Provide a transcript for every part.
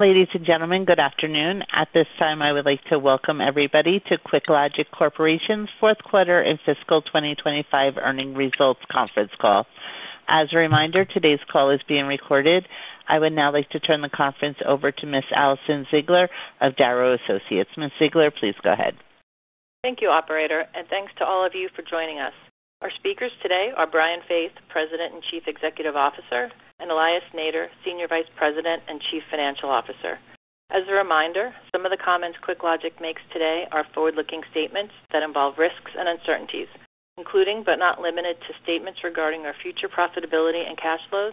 Ladies and gentlemen, good afternoon. At this time, I would like to welcome everybody to QuickLogic Corporation's Fourth Quarter and Fiscal 2025 Earnings Results Conference Call. As a reminder, today's call is being recorded. I would now like to turn the conference over to Ms. Alison Ziegler of Darrow Associates. Ms. Ziegler, please go ahead. Thank you, operator, and thanks to all of you for joining us. Our speakers today are Brian Faith, President and Chief Executive Officer, and Elias Nader, Senior Vice President and Chief Financial Officer. As a reminder, some of the comments QuickLogic makes today are forward-looking statements that involve risks and uncertainties, including, but not limited to, statements regarding our future profitability and cash flows,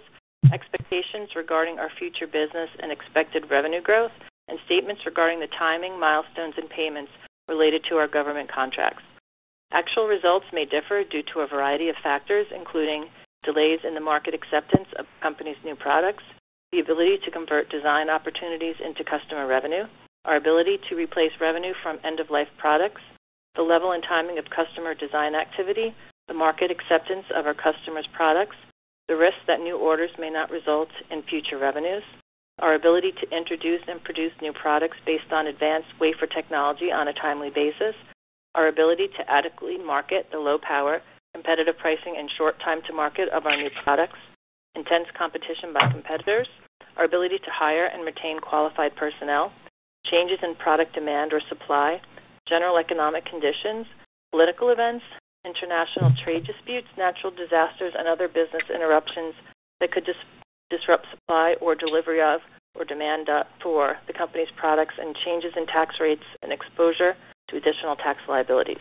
expectations regarding our future business and expected revenue growth, and statements regarding the timing, milestones, and payments related to our government contracts. Actual results may differ due to a variety of factors, including delays in the market acceptance of company's new products, the ability to convert design opportunities into customer revenue, our ability to replace revenue from end-of-life products, the level and timing of customer design activity, the market acceptance of our customers' products, the risk that new orders may not result in future revenues, our ability to introduce and produce new products based on advanced wafer technology on a timely basis, our ability to adequately market the low power, competitive pricing, and short time to market of our new products, intense competition by competitors, our ability to hire and retain qualified personnel, changes in product demand or supply, general economic conditions, political events, international trade disputes, natural disasters, and other business interruptions that could disrupt supply or delivery of, or demand for the company's products, and changes in tax rates and exposure to additional tax liabilities.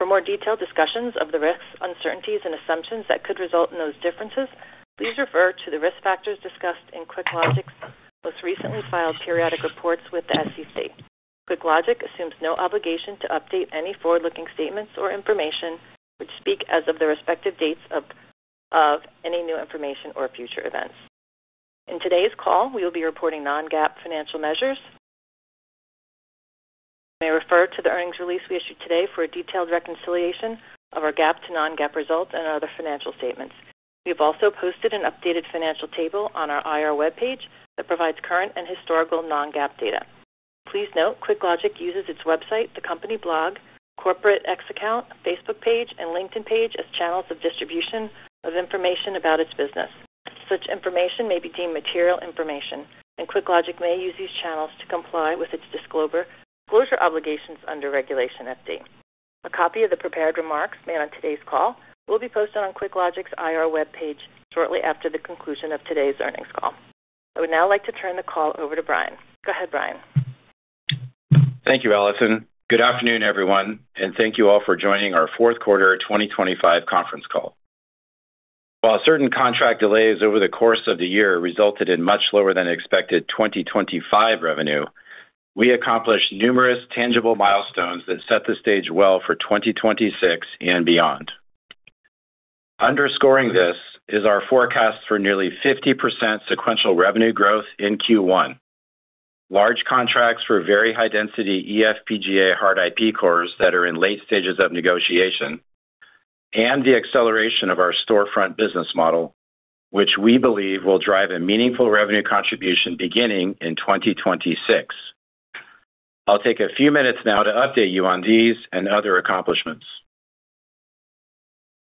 For more detailed discussions of the risks, uncertainties, and assumptions that could result in those differences, please refer to the risk factors discussed in QuickLogic's most recently filed periodic reports with the SEC. QuickLogic assumes no obligation to update any forward-looking statements or information which speak as of the respective dates of any new information or future events. In today's call, we will be reporting non-GAAP financial measures. May I refer to the earnings release we issued today for a detailed reconciliation of our GAAP to non-GAAP results and our other financial statements. We have also posted an updated financial table on our IR webpage that provides current and historical non-GAAP data. Please note, QuickLogic uses its website, the company blog, corporate X account, Facebook page, and LinkedIn page as channels of distribution of information about its business. Such information may be deemed material information. QuickLogic may use these channels to comply with its disclosure obligations under Regulation FD. A copy of the prepared remarks made on today's call will be posted on QuickLogic's IR webpage shortly after the conclusion of today's earnings call. I would now like to turn the call over to Brian. Go ahead, Brian. Thank you, Alison. Good afternoon, everyone. Thank you all for joining our fourth quarter of 2025 conference call. While certain contract delays over the course of the year resulted in much lower than expected 2025 revenue, we accomplished numerous tangible milestones that set the stage well for 2026 and beyond. Underscoring this is our forecast for nearly 50% sequential revenue growth in Q1. Large contracts for very high-density eFPGA hard IP cores that are in late stages of negotiation, and the acceleration of our storefront business model, which we believe will drive a meaningful revenue contribution beginning in 2026. I'll take a few minutes now to update you on these and other accomplishments.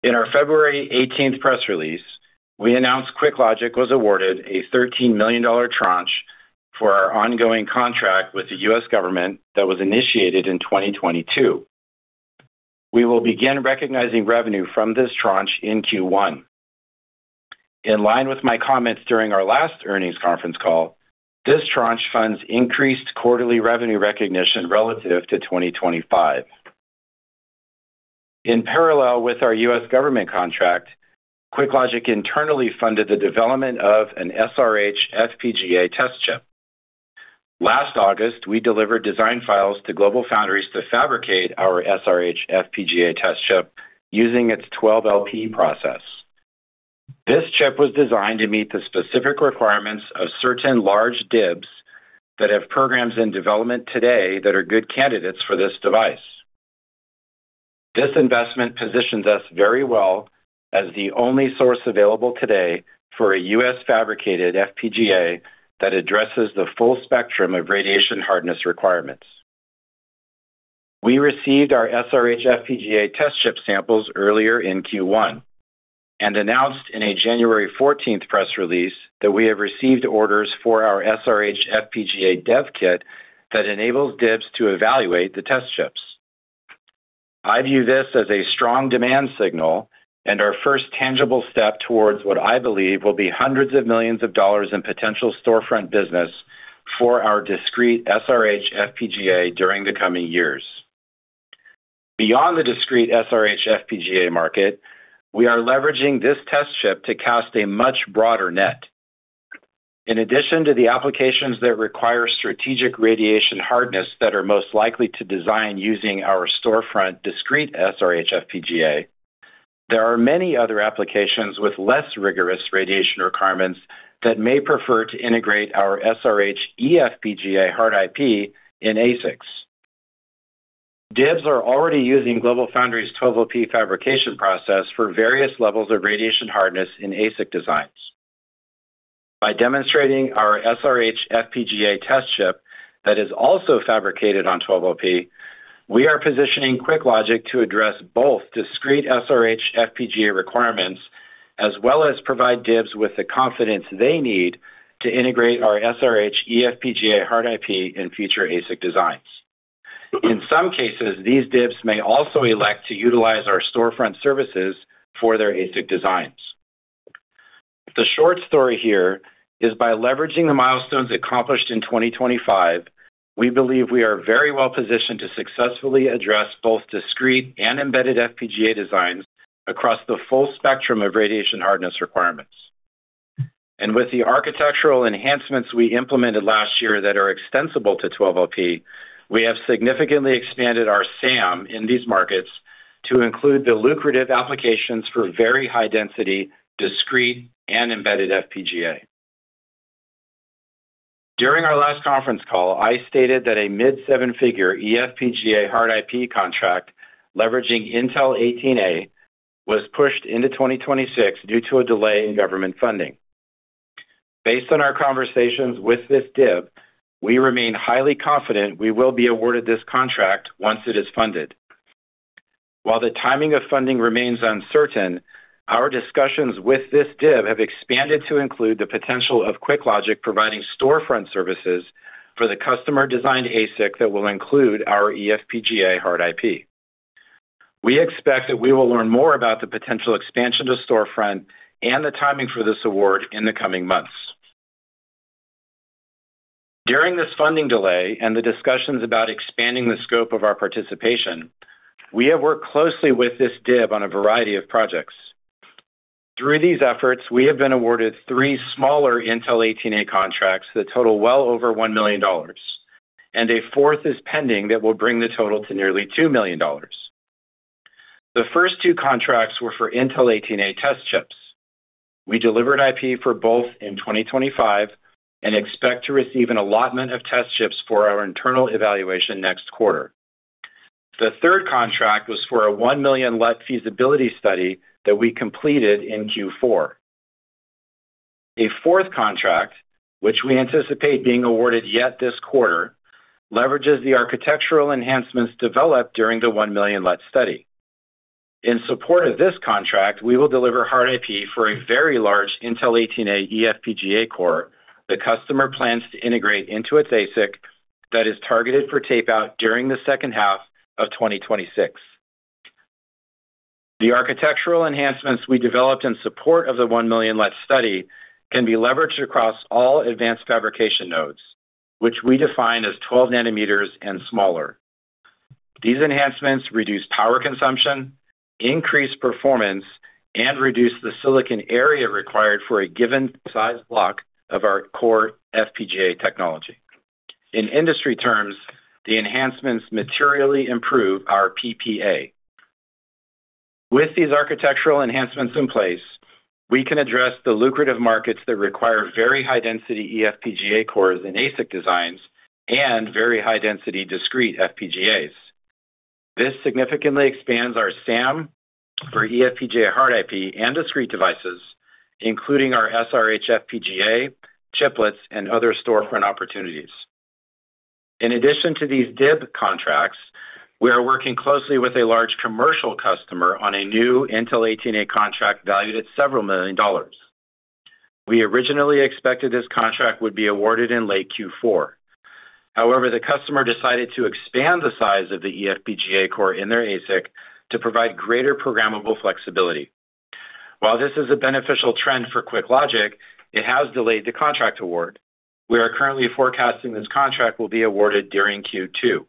In our February 18 press release, we announced QuickLogic was awarded a $13 million tranche for our ongoing contract with the U.S. government that was initiated in 2022. We will begin recognizing revenue from this tranche in Q1. In line with my comments during our last earnings conference call, this tranche funds increased quarterly revenue recognition relative to 2025. In parallel with our U.S. government contract, QuickLogic internally funded the development of an SRH FPGA test chip. Last August, we delivered design files to GlobalFoundries to fabricate our SRH FPGA test chip using its 12LP process. This chip was designed to meet the specific requirements of certain large DIBs that have programs in development today that are good candidates for this device. This investment positions us very well as the only source available today for a U.S.-fabricated FPGA that addresses the full spectrum of radiation hardness requirements. We received our SRH FPGA test chip samples earlier in Q1 and announced in a January 14th press release that we have received orders for our SRH FPGA dev kit that enables DIBs to evaluate the test chips. I view this as a strong demand signal and our first tangible step towards what I believe will be hundreds of millions of dollars in potential storefront business for our discrete SRH FPGA during the coming years. Beyond the discrete SRH FPGA market, we are leveraging this test chip to cast a much broader net. In addition to the applications that require strategic radiation hardness that are most likely to design using our storefront discrete SRH FPGA, there are many other applications with less rigorous radiation requirements that may prefer to integrate our SRH eFPGA hard IP in ASICs. DIBs are already using GlobalFoundries' 12LP fabrication process for various levels of radiation hardness in ASIC designs. By demonstrating our SRH FPGA test chip that is also fabricated on 12LP, we are positioning QuickLogic to address both discrete SRH FPGA requirements, as well as provide DIBs with the confidence they need to integrate our SRH eFPGA hard IP in future ASIC designs. In some cases, these DIBs may also elect to utilize our storefront services for their ASIC designs. The short story here is by leveraging the milestones accomplished in 2025, we believe we are very well positioned to successfully address both discrete and embedded FPGA designs across the full spectrum of radiation hardness requirements. With the architectural enhancements we implemented last year that are extensible to 12LP, we have significantly expanded our SAM in these markets to include the lucrative applications for very high-density, discrete, and embedded FPGA. During our last conference call, I stated that a mid-seven-figure eFPGA hard IP contract leveraging Intel 18A was pushed into 2026 due to a delay in government funding. Based on our conversations with this DIB, we remain highly confident we will be awarded this contract once it is funded. While the timing of funding remains uncertain, our discussions with this DIB have expanded to include the potential of QuickLogic providing storefront services for the customer-designed ASIC that will include our eFPGA hard IP. We expect that we will learn more about the potential expansion to storefront and the timing for this award in the coming months. During this funding delay and the discussions about expanding the scope of our participation, we have worked closely with this DIB on a variety of projects. Through these efforts, we have been awarded three smaller Intel 18A contracts that total well over $1 million, and a fourth is pending that will bring the total to nearly $2 million. The first two contracts were for Intel 18A test chips. We delivered IP for both in 2025 and expect to receive an allotment of test chips for our internal evaluation next quarter. The third contract was for a 1 million LUT feasibility study that we completed in Q4. A fourth contract, which we anticipate being awarded yet this quarter, leverages the architectural enhancements developed during the 1 million LUT study. In support of this contract, we will deliver hard IP for a very large Intel 18A eFPGA core the customer plans to integrate into its ASIC that is targeted for tape-out during the second half of 2026. The architectural enhancements we developed in support of the 1 million LUT study can be leveraged across all advanced fabrication nodes, which we define as 12 nanometers and smaller. These enhancements reduce power consumption, increase performance, and reduce the silicon area required for a given size block of our core FPGA technology. In industry terms, the enhancements materially improve our PPA. With these architectural enhancements in place, we can address the lucrative markets that require very high-density eFPGA cores in ASICs designs and very high-density discrete FPGAs. This significantly expands our SAM for eFPGA hard IP and discrete devices, including our SRH FPGA, chiplets, and other storefront opportunities. In addition to these DIBs contracts, we are working closely with a large commercial customer on a new Intel 18A contract valued at several million dollars. We originally expected this contract would be awarded in late Q4. However, the customer decided to expand the size of the eFPGA core in their ASIC to provide greater programmable flexibility. While this is a beneficial trend for QuickLogic, it has delayed the contract award. We are currently forecasting this contract will be awarded during Q2.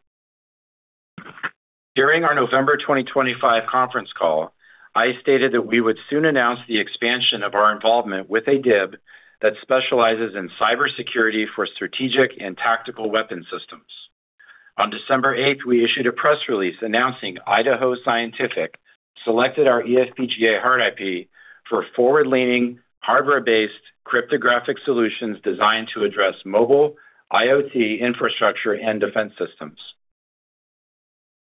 During our November 2025 conference call, I stated that we would soon announce the expansion of our involvement with a DIB that specializes in cybersecurity for strategic and tactical weapon systems. On December 8, we issued a press release announcing Idaho Scientific selected our eFPGA hard IP for forward-leaning, hardware-based cryptographic solutions designed to address mobile, IoT, infrastructure, and defense systems.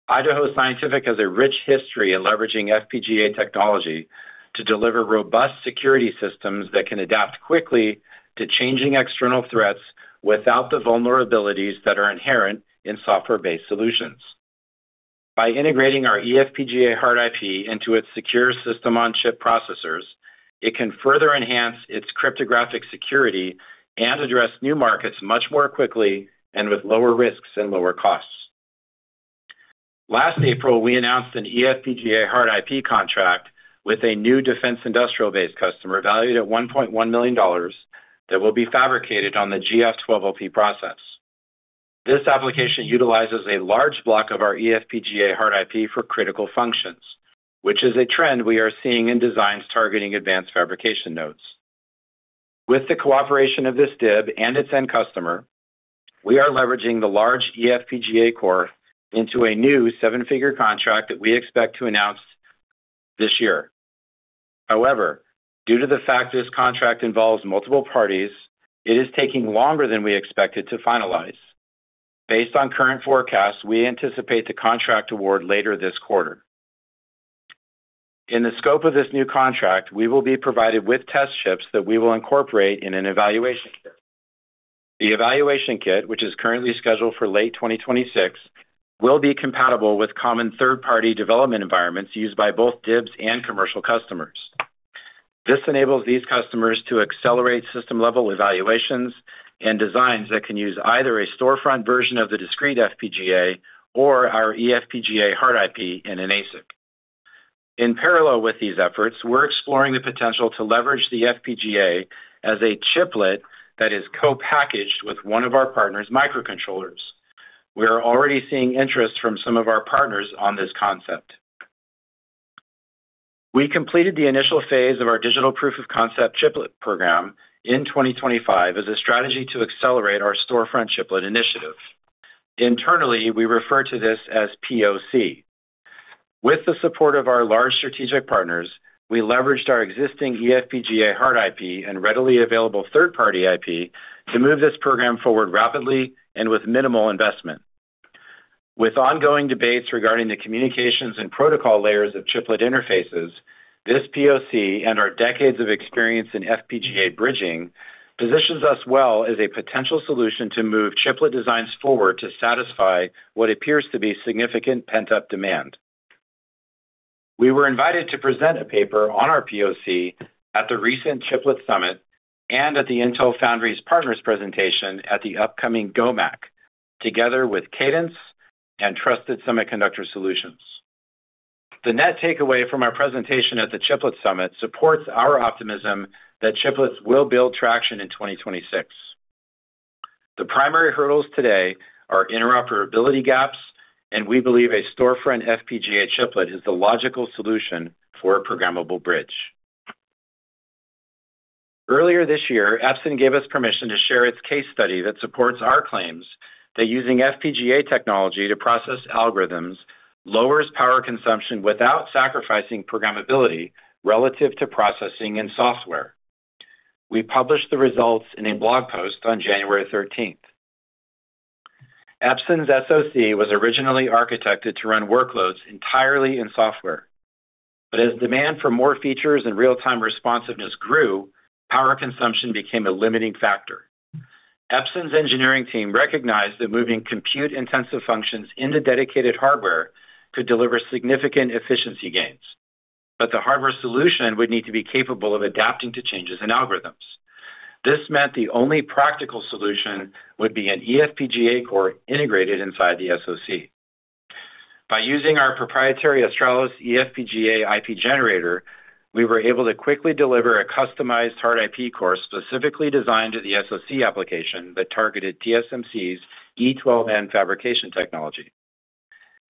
Idaho Scientific has a rich history in leveraging FPGA technology to deliver robust security systems that can adapt quickly to changing external threats without the vulnerabilities that are inherent in software-based solutions. By integrating our eFPGA hard IP into its secure system-on-chip processors, it can further enhance its cryptographic security and address new markets much more quickly and with lower risks and lower costs. Last April, we announced an eFPGA hard IP contract with a new defense industrial base customer valued at $1.1 million that will be fabricated on the GF 12LP process. This application utilizes a large block of our eFPGA hard IP for critical functions, which is a trend we are seeing in designs targeting advanced fabrication nodes. With the cooperation of this DIB and its end customer, we are leveraging the large eFPGA core into a new seven-figure contract that we expect to announce this year. However, due to the fact this contract involves multiple parties, it is taking longer than we expected to finalize. Based on current forecasts, we anticipate the contract award later this quarter. In the scope of this new contract, we will be provided with test chips that we will incorporate in an evaluation kit. The evaluation kit, which is currently scheduled for late 2026, will be compatible with common third-party development environments used by both DIBs and commercial customers. This enables these customers to accelerate system-level evaluations and designs that can use either a storefront version of the discrete FPGA or our eFPGA hard IP in an ASIC. In parallel with these efforts, we're exploring the potential to leverage the FPGA as a chiplet that is co-packaged with one of our partners' microcontrollers. We are already seeing interest from some of our partners on this concept. We completed the initial phase of our digital proof of concept chiplet program in 2025 as a strategy to accelerate our storefront chiplet initiative. Internally, we refer to this as POC. With the support of our large strategic partners, we leveraged our existing eFPGA hard IP and readily available third-party IP to move this program forward rapidly and with minimal investment. With ongoing debates regarding the communications and protocol layers of chiplet interfaces, this POC and our decades of experience in FPGA bridging positions us well as a potential solution to move chiplet designs forward to satisfy what appears to be significant pent-up demand. We were invited to present a paper on our POC at the recent Chiplet Summit and at the Intel Foundry's Partners presentation at the upcoming GOMAC, together with Cadence and Trusted Semiconductor Solutions. The net takeaway from our presentation at the Chiplet Summit supports our optimism that chiplets will build traction in 2026. The primary hurdles today are interoperability gaps. We believe a storefront FPGA chiplet is the logical solution for a programmable bridge. Earlier this year, Epson gave us permission to share its case study that supports our claims that using FPGA technology to process algorithms lowers power consumption without sacrificing programmability relative to processing and software. We published the results in a blog post on January 13th. Epson's SoC was originally architected to run workloads entirely in software. As demand for more features and real-time responsiveness grew, power consumption became a limiting factor. Epson's engineering team recognized that moving compute-intensive functions into dedicated hardware could deliver significant efficiency gains, but the hardware solution would need to be capable of adapting to changes in algorithms. This meant the only practical solution would be an eFPGA core integrated inside the SoC. By using our proprietary Australis eFPGA IP generator, we were able to quickly deliver a customized hard IP core specifically designed to the SoC application that targeted TSMC's N12e fabrication technology.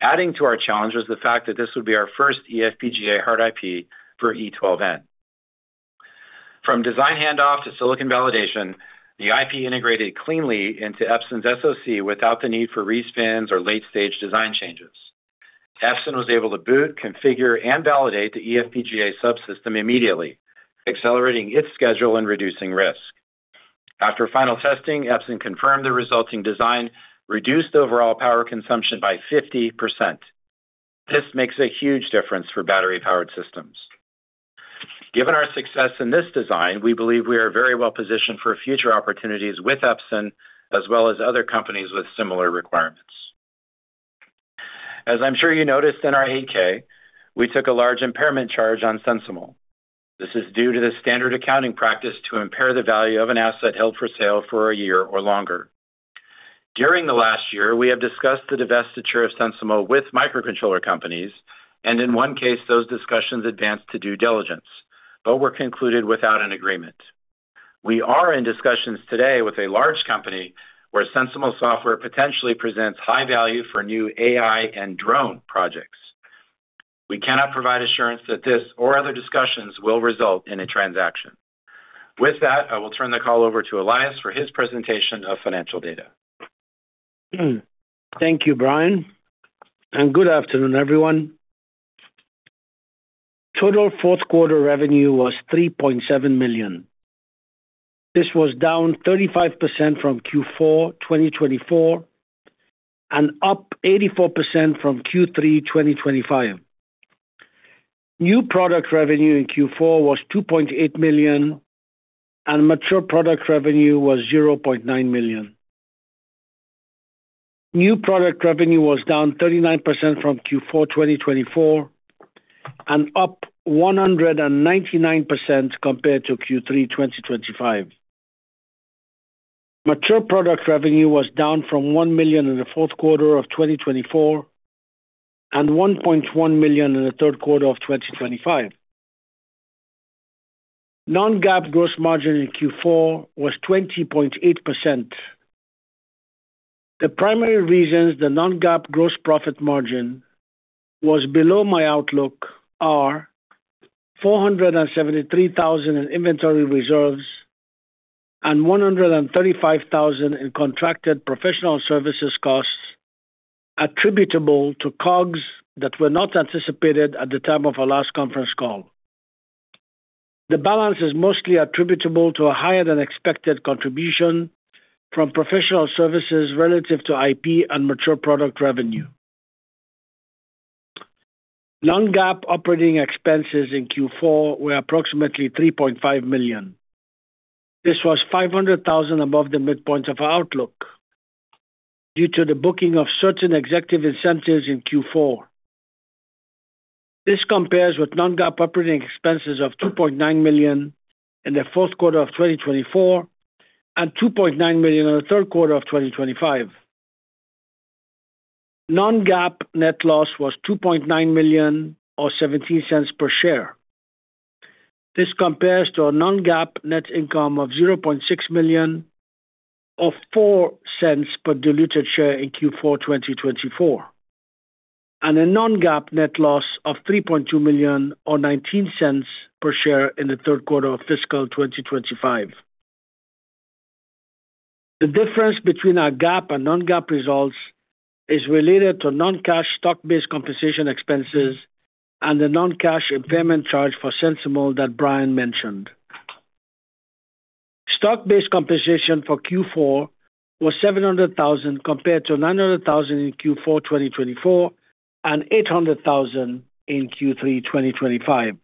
Adding to our challenge was the fact that this would be our first eFPGA hard IP for N12e. From design handoff to silicon validation, the IP integrated cleanly into Epson's SoC without the need for respins or late-stage design changes. Epson was able to boot, configure, and validate the eFPGA subsystem immediately, accelerating its schedule and reducing risk. After final testing, Epson confirmed the resulting design reduced overall power consumption by 50%. This makes a huge difference for battery-powered systems. Given our success in this design, we believe we are very well positioned for future opportunities with Epson as well as other companies with similar requirements. As I'm sure you noticed in our 8-K, we took a large impairment charge on SensiML. This is due to the standard accounting practice to impair the value of an asset held for sale for a year or longer. During the last year, we have discussed the divestiture of SensiML with microcontroller companies, and in one case, those discussions advanced to due diligence but were concluded without an agreement. We are in discussions today with a large company where SensiML software potentially presents high value for new AI and drone projects. We cannot provide assurance that this or other discussions will result in a transaction. With that, I will turn the call over to Elias for his presentation of financial data. Thank you, Brian, and good afternoon, everyone. Total fourth quarter revenue was $3.7 million. This was down 35% from Q4 2024 and up 84% from Q3 2025. New product revenue in Q4 was $2.8 million, and mature product revenue was $0.9 million. New product revenue was down 39% from Q4 2024 and up 199% compared to Q3 2025. Mature product revenue was down from $1 million in the fourth quarter of 2024 and $1.1 million in the third quarter of 2025. Non-GAAP gross margin in Q4 was 20.8%. The primary reasons the non-GAAP gross profit margin was below my outlook are $473,000 in inventory reserves, and $135,000 in contracted professional services costs attributable to COGS that were not anticipated at the time of our last conference call. The balance is mostly attributable to a higher than expected contribution from professional services relative to IP and mature product revenue. Non-GAAP operating expenses in Q4 were approximately $3.5 million. This was $500,000 above the midpoint of our outlook due to the booking of certain executive incentives in Q4. This compares with non-GAAP operating expenses of $2.9 million in the fourth quarter of 2024 and $2.9 million in the third quarter of 2025. Non-GAAP net loss was $2.9 million or $0.17 per share. This compares to a non-GAAP net income of $0.6 million or $0.04 per diluted share in Q4 2024, and a non-GAAP net loss of $3.2 million or $0.19 per share in the third quarter of fiscal 2025. The difference between our GAAP and non-GAAP results is related to non-cash stock-based compensation expenses and the non-cash impairment charge for SensiML that Brian mentioned. Stock-based compensation for Q4 was $700,000 compared to $900,000 in Q4 2024 and $800,000 in Q3 2025.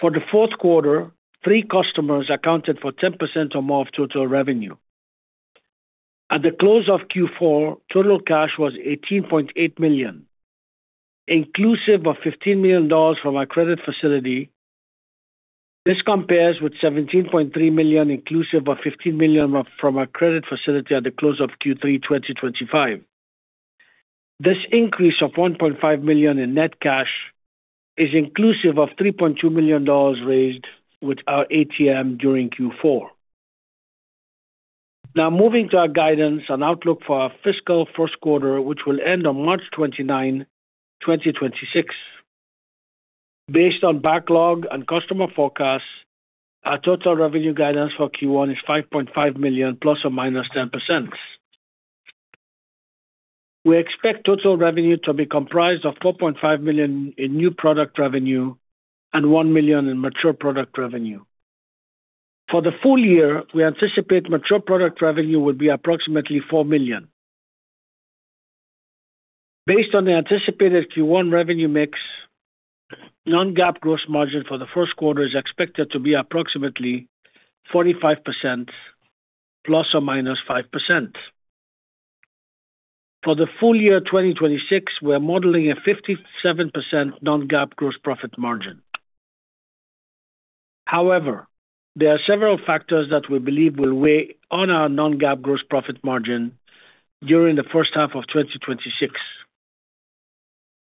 For the fourth quarter, three customers accounted for 10% or more of total revenue. At the close of Q4, total cash was $18.8 million, inclusive of $15 million from our credit facility. This compares with $17.3 million, inclusive of $15 million from our credit facility at the close of Q3 2025. This increase of $1.5 million in net cash is inclusive of $3.2 million raised with our ATM during Q4. Moving to our guidance and outlook for our fiscal first quarter, which will end on March 29, 2026. Based on backlog and customer forecasts, our total revenue guidance for Q1 is $5.5 million ±10%. We expect total revenue to be comprised of $4.5 million in new product revenue and $1 million in mature product revenue. For the full year, we anticipate mature product revenue will be approximately $4 million. Based on the anticipated Q1 revenue mix, non-GAAP gross margin for the first quarter is expected to be approximately 45% ± 5%. For the full year 2026, we're modeling a 57% non-GAAP gross profit margin. There are several factors that we believe will weigh on our non-GAAP gross profit margin during the first half of 2026.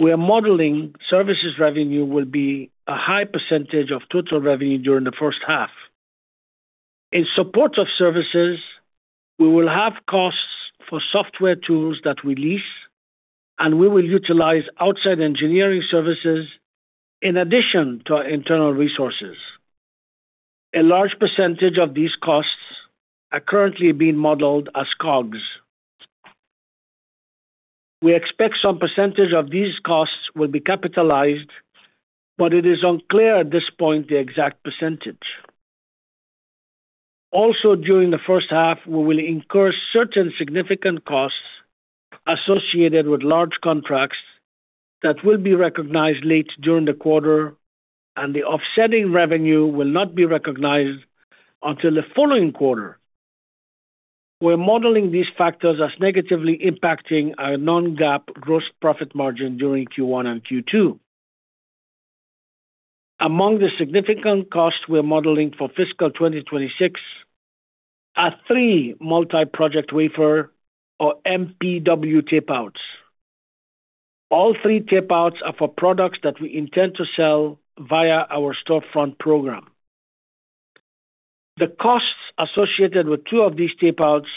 We are modeling services revenue will be a high percentage of total revenue during the first half. In support of services, we will have costs for software tools that we lease, and we will utilize outside engineering services in addition to our internal resources. A large percentage of these costs are currently being modeled as COGS. We expect some percentage of these costs will be capitalized, but it is unclear at this point the exact percentage. During the first half, we will incur certain significant costs associated with large contracts that will be recognized late during the quarter and the offsetting revenue will not be recognized until the following quarter. We're modeling these factors as negatively impacting our non-GAAP gross profit margin during Q1 and Q2. Among the significant costs we're modeling for fiscal 2026 are three multi-project wafer or MPW tape-outs. All three tape-outs are for products that we intend to sell via our storefront program. The costs associated with two of these tape-outs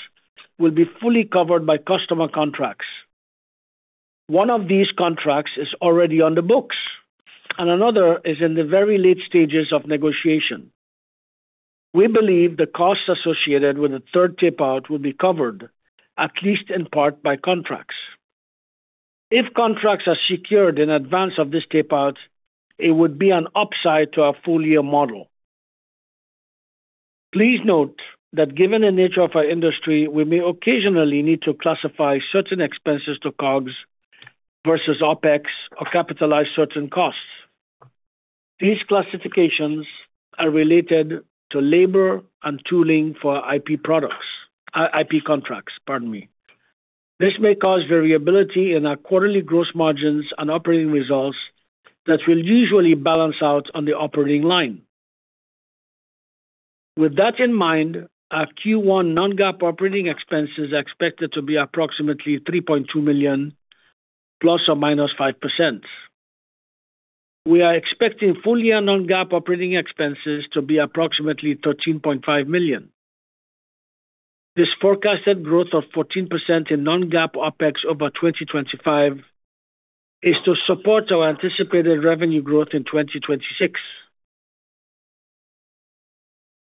will be fully covered by customer contracts. One of these contracts is already on the books, and another is in the very late stages of negotiation. We believe the costs associated with the third tape-out will be covered, at least in part by contracts. If contracts are secured in advance of these tape-outs, it would be an upside to our full-year model. Please note that given the nature of our industry, we may occasionally need to classify certain expenses to COGS versus OPEX or capitalize certain costs. These classifications are related to labor and tooling for IP products, IP contracts, pardon me. This may cause variability in our quarterly gross margins and operating results that will usually balance out on the operating line. With that in mind, our Q1 non-GAAP operating expenses are expected to be approximately $3.2 million ±5%. We are expecting full-year non-GAAP operating expenses to be approximately $13.5 million. This forecasted growth of 14% in non-GAAP OpEx over 2025 is to support our anticipated revenue growth in 2026.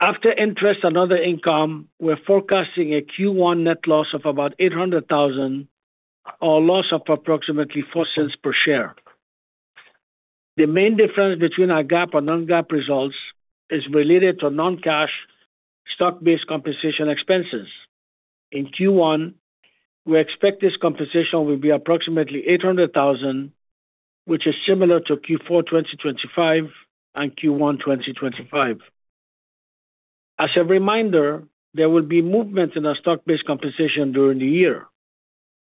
After interest and other income, we're forecasting a Q1 net loss of about $800,000 or a loss of approximately $0.04 per share. The main difference between our GAAP and non-GAAP results is related to non-cash stock-based compensation expenses. In Q1, we expect this compensation will be approximately $800,000, which is similar to Q4 2025 and Q1 2025. As a reminder, there will be movement in our stock-based compensation during the year,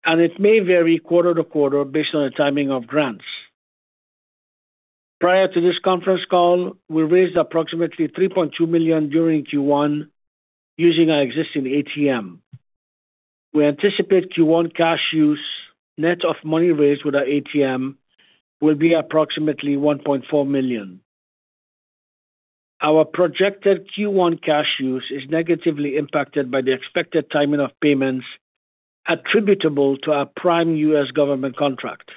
and it may vary quarter to quarter based on the timing of grants. Prior to this conference call, we raised approximately $3.2 million during Q1 using our existing ATM. We anticipate Q1 cash use, net of money raised with our ATM, will be approximately $1.4 million. Our projected Q1 cash use is negatively impacted by the expected timing of payments attributable to our prime U.S. government contract.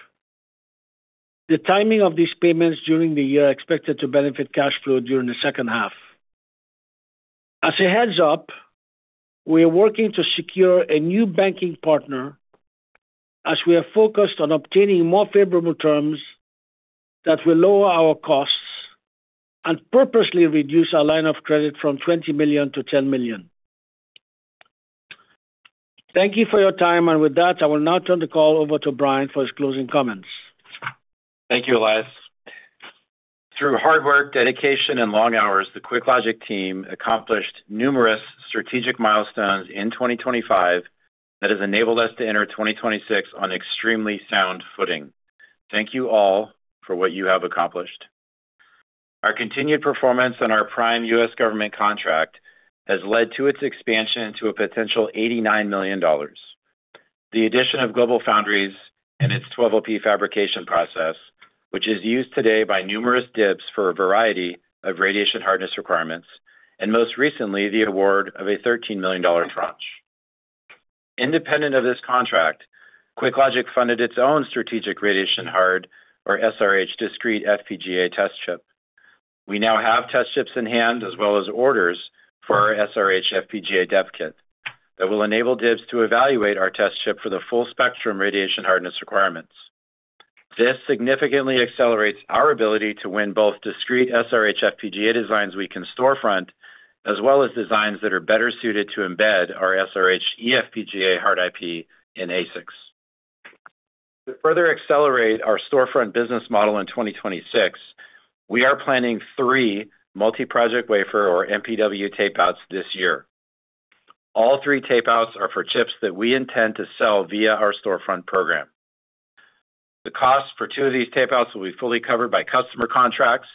The timing of these payments during the year are expected to benefit cash flow during the second half. As a heads-up, we are working to secure a new banking partner as we are focused on obtaining more favorable terms that will lower our costs and purposely reduce our line of credit from $20 million to $10 million. Thank you for your time. With that, I will now turn the call over to Brian for his closing comments. Thank you, Elias. Through hard work, dedication, and long hours, the QuickLogic team accomplished numerous strategic milestones in 2025 that has enabled us to enter 2026 on extremely sound footing. Thank you all for what you have accomplished. Our continued performance on our prime U.S. government contract has led to its expansion to a potential $89 million. The addition of GlobalFoundries and its 12LP fabrication process, which is used today by numerous DIBs for a variety of radiation hardness requirements, and most recently, the award of a $13 million tranche. Independent of this contract, QuickLogic funded its own strategic radiation-hard, or SRH, discrete FPGA test chip. We now have test chips in-hand as well as orders for our SRH FPGA dev kit that will enable DIBs to evaluate our test chip for the full spectrum radiation hardness requirements. This significantly accelerates our ability to win both discrete SRH FPGA designs we can storefront, as well as designs that are better suited to embed our SRH eFPGA hard IP in ASICs. To further accelerate our storefront business model in 2026, we are planning three multi-project wafer, or MPW, tape-outs this year. All three tape-outs are for chips that we intend to sell via our storefront program. The cost for two of these tape-outs will be fully covered by customer contracts.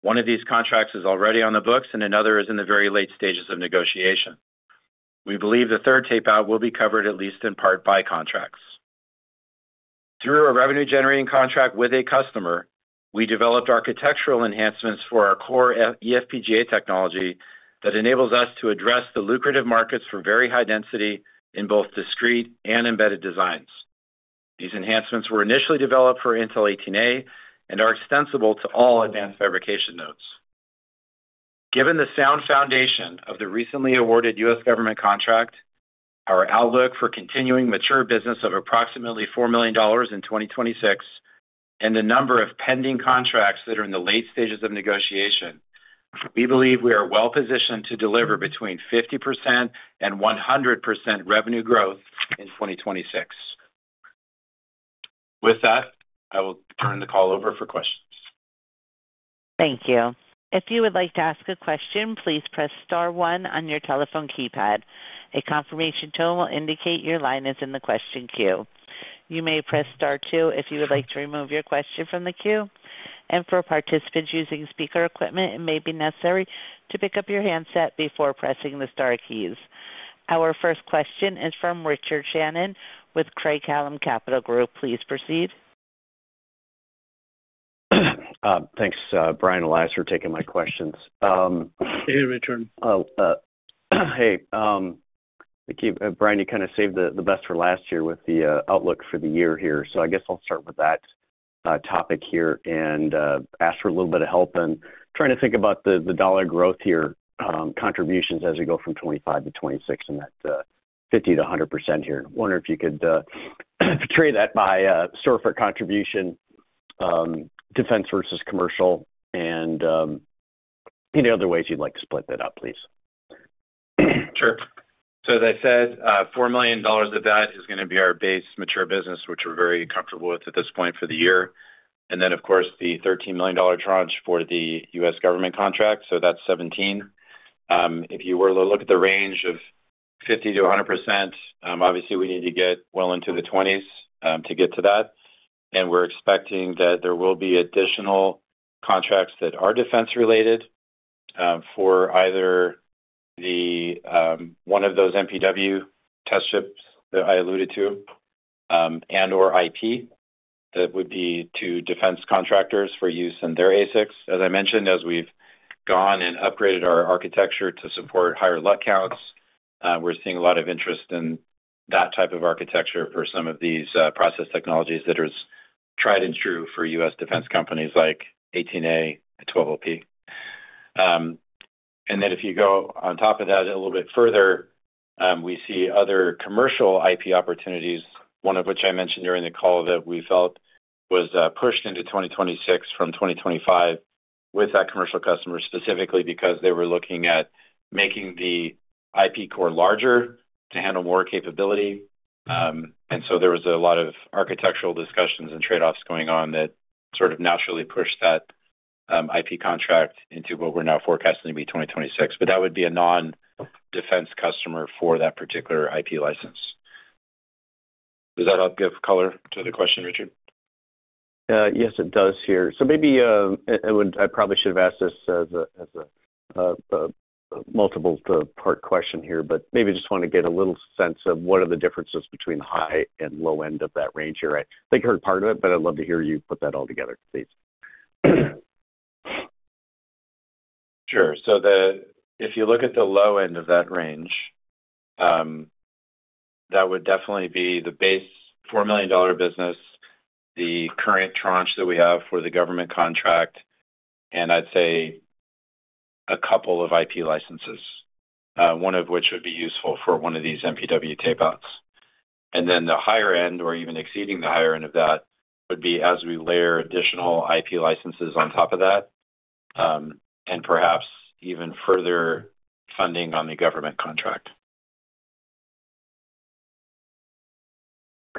One of these contracts is already on the books, and another is in the very late stages of negotiation. We believe the third tape-out will be covered at least in part by contracts. Through a revenue-generating contract with a customer, we developed architectural enhancements for our core eFPGA technology that enables us to address the lucrative markets for very high density in both discrete and embedded designs. These enhancements were initially developed for Intel 18A and are extensible to all advanced fabrication nodes. Given the sound foundation of the recently awarded U.S. government contract, our outlook for continuing mature business of approximately $4 million in 2026, and the number of pending contracts that are in the late stages of negotiation, we believe we are well-positioned to deliver between 50% and 100% revenue growth in 2026. With that, I will turn the call over for questions. Thank you. If you would like to ask a question, please press star one on your telephone keypad. A confirmation tone will indicate your line is in the question queue. You may press star two if you would like to remove your question from the queue. For participants using speaker equipment, it may be necessary to pick up your handset before pressing the star keys. Our first question is from Richard Shannon with Craig-Hallum Capital Group. Please proceed. Thanks, Brian, Elias, for taking my questions. Hey, Richard. Hey, thank you. Brian, you kind of saved the best for last here with the outlook for the year here. I guess I'll start with that topic here and ask for a little bit of help in trying to think about the dollar growth here, contributions as we go from 2025 to 2026, and that 50%-100% here. I wonder if you could portray that by storefront contribution, defense versus commercial and any other ways you'd like to split that up, please. As I said, $4 million of that is gonna be our base mature business, which we're very comfortable with at this point for the year. Then, of course, the $13 million tranche for the U.S. government contract, so that's $17 million. If you were to look at the range of 50%-100%, obviously we need to get well into the twenties to get to that. We're expecting that there will be additional contracts that are defense-related for either the one of those MPW test ships that I alluded to, and/or IP. That would be to defense contractors for use in their ASICs. As I mentioned, as we've gone and upgraded our architecture to support higher LUT counts, we're seeing a lot of interest in that type of architecture for some of these process technologies that is tried and true for U.S. defense companies like 18A and 12LP. Then if you go on top of that a little bit further, we see other commercial IP opportunities, one of which I mentioned during the call that we felt was pushed into 2026 from 2025 with that commercial customer specifically because they were looking at making the IP core larger to handle more capability. There was a lot of architectural discussions and trade-offs going on that sort of naturally pushed that IP contract into what we're now forecasting to be 2026. That would be a non-defense customer for that particular IP license. Does that help give color to the question, Richard? Yes, it does here. Maybe I probably should have asked this as a multiple part question here, but maybe just want to get a little sense of what are the differences between the high and low end of that range here? I think I heard part of it, but I'd love to hear you put that all together, please. Sure. If you look at the low end of that range, that would definitely be the base $4 million business, the current tranche that we have for the government contract, and I'd say a couple of IP licenses, one of which would be useful for one of these MPW tape outs. The higher end or even exceeding the higher end of that would be as we layer additional IP licenses on top of that, and perhaps even further funding on the government contract.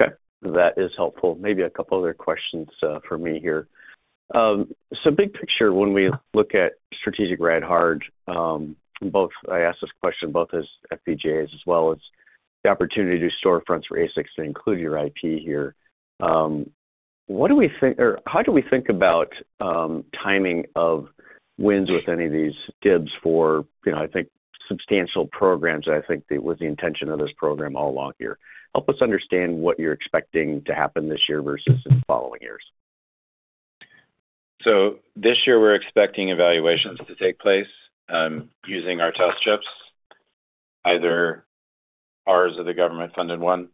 Okay. That is helpful. Maybe a couple other questions from me here. Big picture, when we look at Strategic Rad Hard, I ask this question both as FPGAs as well as the opportunity to do store fronts for ASICs to include your IP here. What do we think or how do we think about timing of wins with any of these DIBs for, you know, I think substantial programs that I think was the intention of this program all along here. Help us understand what you're expecting to happen this year versus in the following years. This year we're expecting evaluations to take place, using our test chips, either ours or the government-funded one,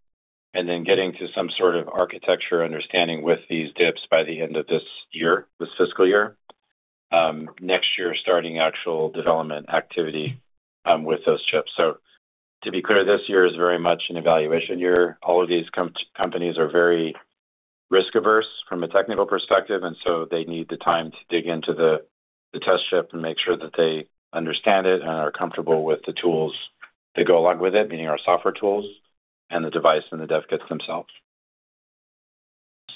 and then getting to some sort of architecture understanding with these DIBs by the end of this year, this fiscal year. Next year starting actual development activity with those chips. To be clear, this year is very much an evaluation year. All of these companies are very risk-averse from a technical perspective, and so they need the time to dig into the test chip and make sure that they understand it and are comfortable with the tools that go along with it, meaning our software tools and the device and the dev kits themselves.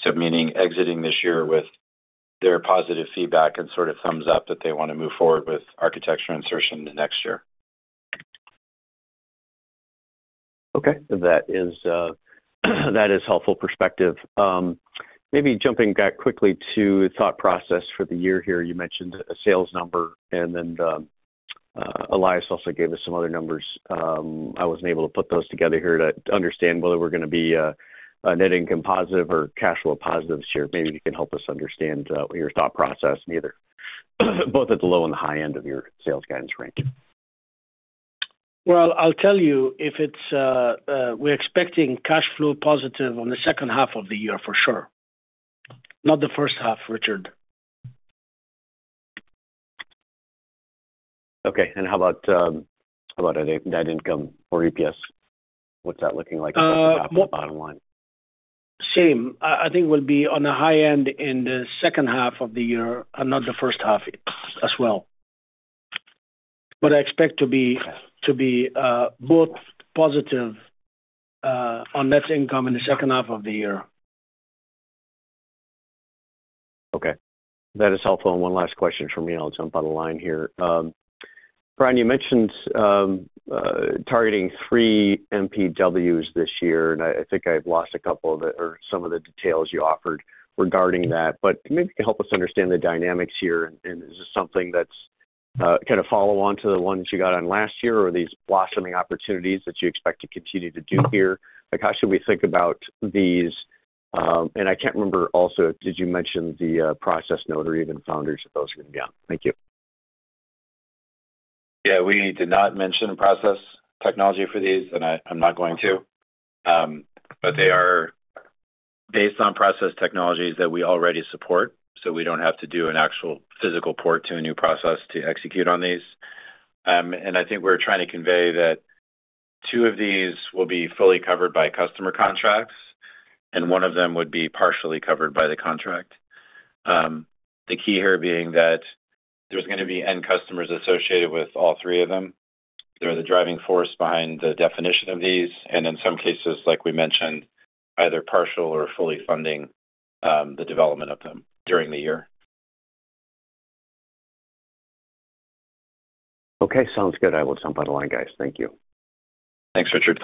Meaning exiting this year with their positive feedback and sort of thumbs up that they wanna move forward with architecture insertion the next year. Okay. That is helpful perspective. Maybe jumping back quickly to thought process for the year here. You mentioned a sales number, and then Elias also gave us some other numbers. I wasn't able to put those together here to understand whether we're gonna be a net income positive or cash flow positive this year. Maybe you can help us understand your thought process in either, both at the low and the high end of your sales guidance range. Well, I'll tell you if it's, We're expecting cash flow positive on the second half of the year for sure. Not the first half, Richard. Okay. How about net income or EPS? What's that looking like in terms of bottom line? Same. I think we'll be on the high end in the second half of the year and not the first half as well. I expect to be. Okay. To be both positive on net income in the second half of the year. Okay. That is helpful. One last question from me, and I'll jump on the line here. Brian, you mentioned targeting three MPWs this year, and I think I've lost a couple of the details you offered regarding that. Maybe help us understand the dynamics here and is this something that's kind of follow on to the ones you got on last year or are these blossoming opportunities that you expect to continue to do here? Like, how should we think about these. I can't remember also, did you mention the process node or even founders of those are gonna be on? Thank you. Yeah. We did not mention a process technology for these. I'm not going to. They are based on process technologies that we already support. We don't have to do an actual physical port to a new process to execute on these. I think we're trying to convey that two of these will be fully covered by customer contracts, and one of them would be partially covered by the contract. The key here being that there's gonna be end customers associated with all three of them. They're the driving force behind the definition of these, and in some cases, like we mentioned, either partial or fully funding the development of them during the year. Okay. Sounds good. I will jump on the line, guys. Thank you. Thanks, Richard.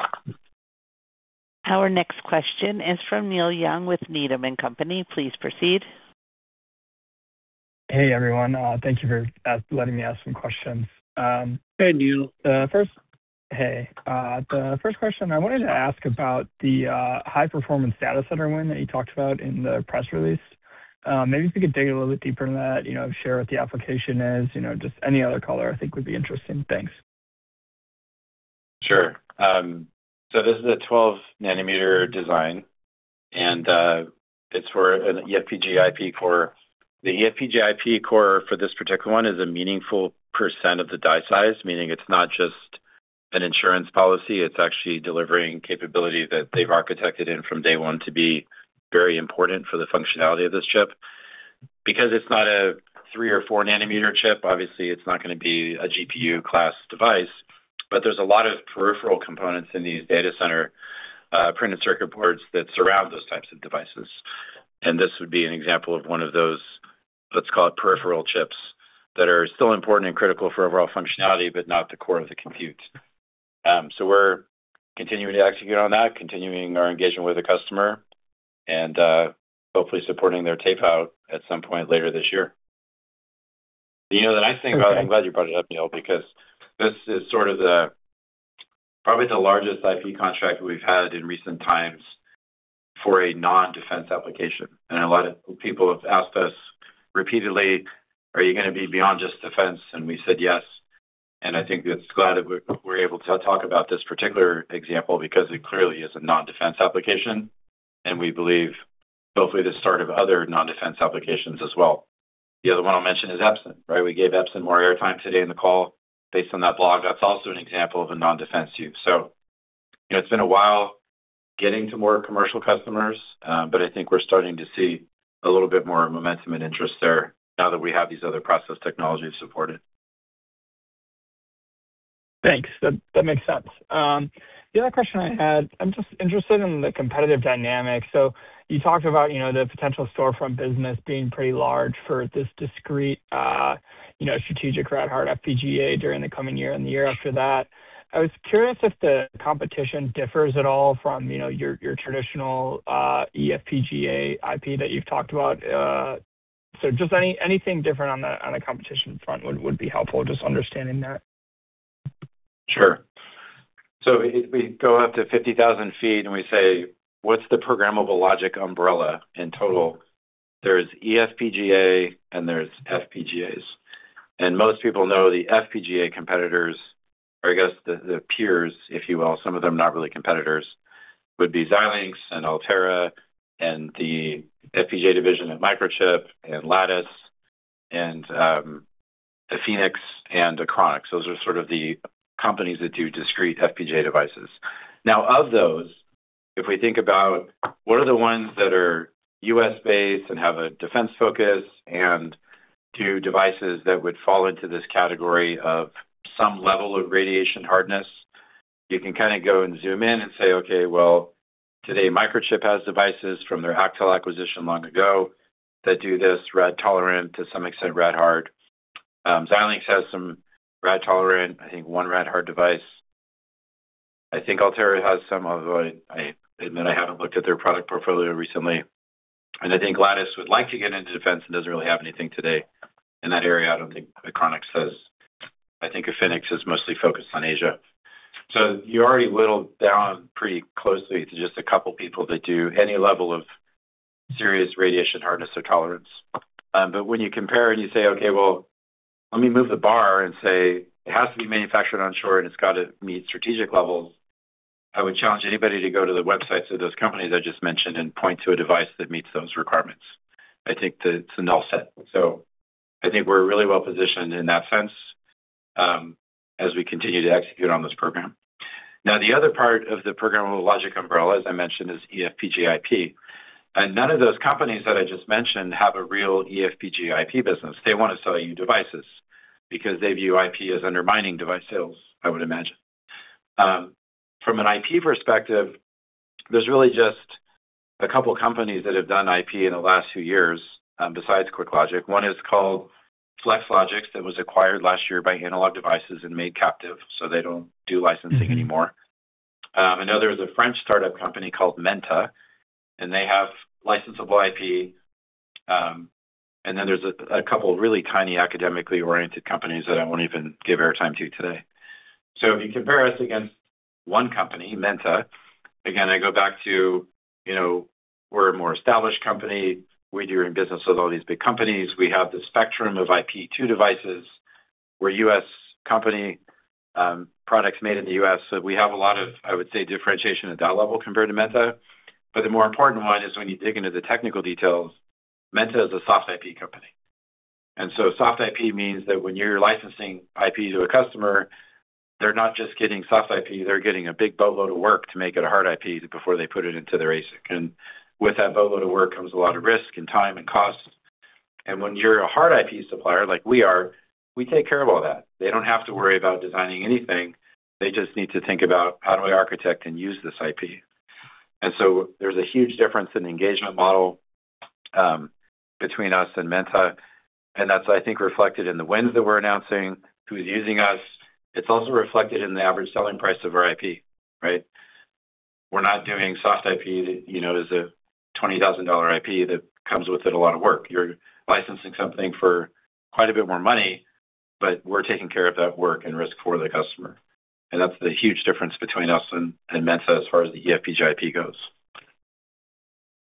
Our next question is from Neil Young with Needham & Company. Please proceed. Hey everyone, thank you for letting me ask some questions. Hey, Neil. Hey. The first question I wanted to ask about the high-performance data center win that you talked about in the press release. Maybe if you could dig a little bit deeper into that, you know, share what the application is, you know, just any other color I think would be interesting. Thanks. Sure. This is a 12 nanometer design, and it's for an eFPGA IP core. The eFPGA IP core for this particular one is a meaningful percent of the die size, meaning it's not just an insurance policy, it's actually delivering capability that they've architected in from day one to be very important for the functionality of this chip. Because it's not a three or four nanometer chip, obviously it's not gonna be a GPU class device, but there's a lot of peripheral components in these data center, printed circuit boards that surround those types of devices. This would be an example of one of those, let's call it peripheral chips, that are still important and critical for overall functionality, but not the core of the compute. We're continuing to execute on that, continuing our engagement with the customer and hopefully supporting their tape out at some point later this year. You know, the nice thing about it. Okay. I'm glad you brought it up, Neil, because this is sort of probably the largest IP contract we've had in recent times for a non-defense application. A lot of people have asked us repeatedly, "Are you gonna be beyond just defense?" We said yes. I think it's glad that we're able to talk about this particular example because it clearly is a non-defense application, and we believe hopefully the start of other non-defense applications as well. The other one I'll mention is Epson, right? We gave Epson more airtime today in the call based on that blog. That's also an example of a non-defense use. You know, it's been a while getting to more commercial customers, but I think we're starting to see a little bit more momentum and interest there now that we have these other process technologies supported. Thanks. That makes sense. The other question I had, I'm just interested in the competitive dynamic. You talked about, you know, the potential storefront business being pretty large for this discrete, Strategic rad-hard FPGA during the coming year and the year after that. I was curious if the competition differs at all from, you know, your traditional, eFPGA IP that you've talked about. Just anything different on the, on the competition front would be helpful, just understanding that. Sure. If we go up to 50,000 feet and we say, what's the programmable logic umbrella in total? There's eFPGA and there's FPGAs. Most people know the FPGA competitors, or I guess the peers, if you will, some of them not really competitors, would be Xilinx and Altera and the FPGA division of Microchip and Lattice and Efinix and Achronix. Those are sort of the companies that do discrete FPGA devices. Of those, if we think about what are the ones that are U.S.-based and have a defense focus and do devices that would fall into this category of some level of radiation hardness, you can kind of go and zoom in and say, okay, well, today Microchip has devices from their Actel acquisition long ago that do this rad tolerant, to some extent, rad hard. Xilinx has some rad tolerant, I think one rad hard device. I think Altera has some, although I admit I haven't looked at their product portfolio recently. I think Lattice would like to get into defense and doesn't really have anything today in that area. I don't think Achronix has. I think Efinix is mostly focused on Asia. You're already whittled down pretty closely to just a couple people that do any level of serious radiation hardness or tolerance. When you compare and you say, "Okay, well, let me move the bar and say, it has to be manufactured on shore and it's got to meet strategic levels," I would challenge anybody to go to the websites of those companies I just mentioned and point to a device that meets those requirements. I think that it's a null set. I think we're really well positioned in that sense, as we continue to execute on this program. The other part of the programmable logic umbrella, as I mentioned, is eFPGA IP. None of those companies that I just mentioned have a real eFPGA IP business. They wanna sell you devices because they view IP as undermining device sales, I would imagine. From an IP perspective, there's really just a couple companies that have done IP in the last few years, besides QuickLogic. One is called Flex Logix, that was acquired last year by Analog Devices and made captive, so they don't do licensing anymore. Another is a French startup company called Menta, and they have licensable IP. There's a couple of really tiny academically-oriented companies that I won't even give airtime to today. If you compare us against one company, Menta, again, I go back to, you know, we're a more established company. We're doing business with all these big companies. We have the spectrum of IP two devices. We're a U.S. company, products made in the U.S. We have a lot of, I would say, differentiation at that level compared to Menta. The more important one is when you dig into the technical details, Menta is a soft IP company. soft IP means that when you're licensing IP to a customer, they're not just getting soft IP, they're getting a big boatload of work to make it a hard IP before they put it into their ASIC. With that boatload of work comes a lot of risk and time and cost. When you're a hard IP supplier, like we are, we take care of all that. They don't have to worry about designing anything. They just need to think about how do I architect and use this IP. There's a huge difference in engagement model between us and Menta, and that's, I think, reflected in the wins that we're announcing, who's using us. It's also reflected in the average selling price of our IP, right? We're not doing soft IP that is a $20,000 IP that comes with it a lot of work. You're licensing something for quite a bit more money, but we're taking care of that work and risk for the customer. That's the huge difference between us and Menta as far as the eFPGA IP goes.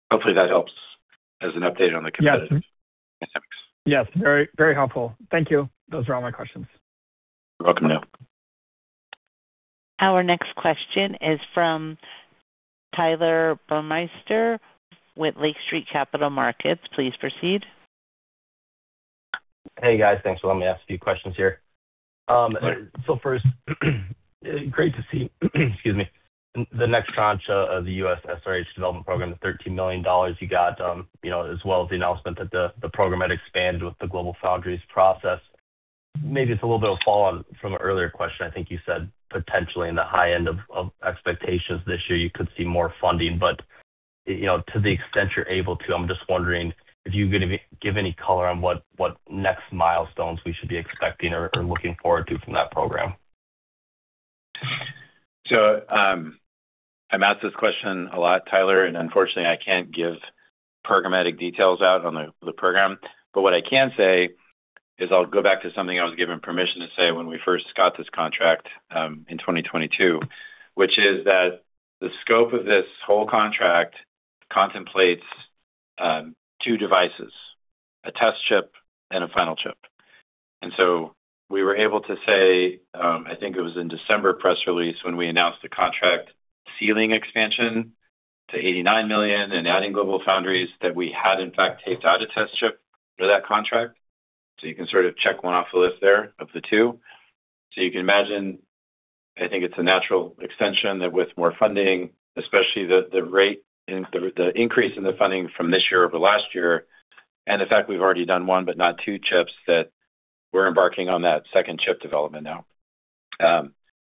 Hopefully that helps as an update on the competitive dynamics. Yes. Very helpful. Thank you. Those are all my questions. You're welcome. Our next question is from Tyler Burmeister with Lake Street Capital Markets. Please proceed. Hey, guys. Thanks for letting me ask a few questions here. Sure. First, great to see the next tranche of the U.S. SRH development program, the $13 million you got, you know, as well as the announcement that the program had expanded with the GlobalFoundries process. Maybe it's a little bit of a follow-on from an earlier question. I think you said potentially in the high end of expectations this year, you could see more funding. You know, to the extent you're able to, I'm just wondering if you can give any color on what next milestones we should be expecting or looking forward to from that program. I'm asked this question a lot, Tyler, and unfortunately I can't give programmatic details out on the program. What I can say is I'll go back to something I was given permission to say when we first got this contract, in 2022, which is that the scope of this whole contract contemplates, two devices: a test chip and a final chip. We were able to say, I think it was in December press release when we announced the contract ceiling expansion to $89 million and adding GlobalFoundries, that we had in fact taped out a test chip for that contract. You can sort of check one off the list there of the two. You can imagine, I think it's a natural extension that with more funding, especially the increase in the funding from this year over last year, and the fact we've already done one but not two chips, that we're embarking on that second chip development now.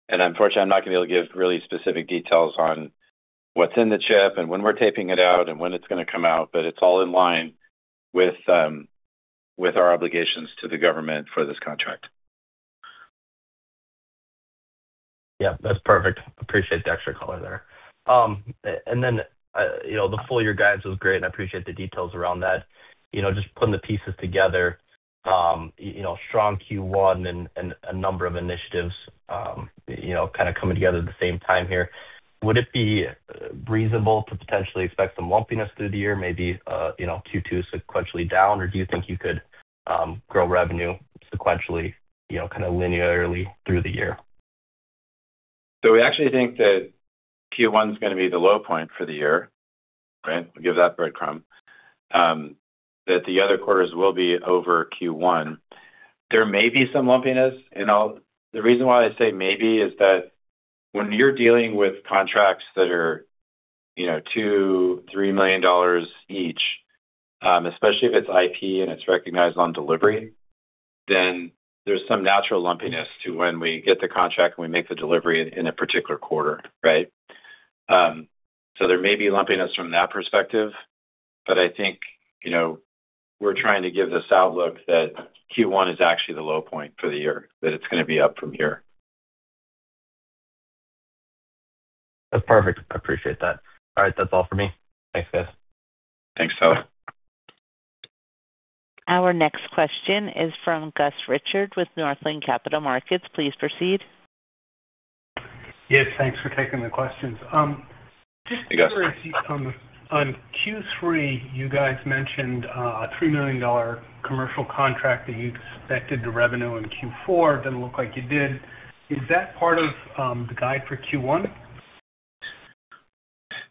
Unfortunately, I'm not gonna be able to give really specific details on what's in the chip and when we're taping it out and when it's gonna come out, but it's all in line with our obligations to the government for this contract. Yeah. That's perfect. Appreciate the extra color there. Then, you know, the full year guidance was great, and I appreciate the details around that. You know, just putting the pieces together, you know, strong Q1 and a number of initiatives, you know, kind of coming together at the same time here. Would it be reasonable to potentially expect some lumpiness through the year, maybe, you know, Q2 sequentially down? Or do you think you could grow revenue sequentially, you know, kind of linearly through the year? We actually think that Q1 is going to be the low point for the year, right? Give that breadcrumb. That the other quarters will be over Q1. There may be some lumpiness and the reason why I say maybe is that when you're dealing with contracts that are, you know, $2 million to $3 million each, especially if it's IP and it's recognized on delivery, then there's some natural lumpiness to when we get the contract and we make the delivery in a particular quarter, right? There may be lumpiness from that perspective, but I think, you know, we're trying to give this outlook that Q1 is actually the low point for the year, that it's going to be up from here. That's perfect. I appreciate that. All right, that's all for me. Thanks, guys. Thanks, Tyler. Our next question is from Gus Richard with Northland Capital Markets. Please proceed. Yes, thanks for taking the questions. Hey, Gus. Just to get a read on Q3, you guys mentioned a $3 million commercial contract that you expected to revenue in Q4, doesn't look like you did. Is that part of the guide for Q1?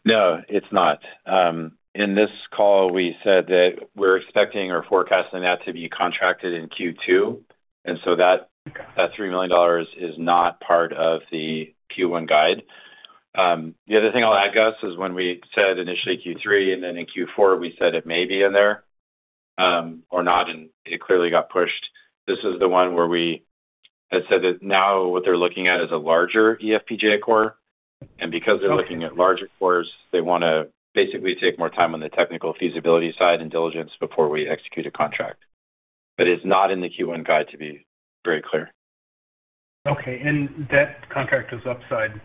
No, it's not. In this call we said that we're expecting or forecasting that to be contracted in Q2, and so that $3 million is not part of the Q1 guide. The other thing I'll add, Gus, is when we said initially Q3 and then in Q4 we said it may be in there, or not, and it clearly got pushed. This is the one where we had said that now what they're looking at is a larger eFPGA core. Because they're looking at larger cores, they wanna basically take more time on the technical feasibility side and diligence before we execute a contract. It's not in the Q1 guide to be very clear. Okay. That contract was upside